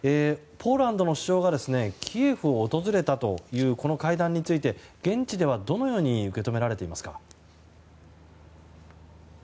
ポーランドの首相がキエフを訪れたというこの会談について現地ではどのように受け止められていますか。